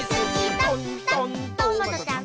とんとんトマトちゃん」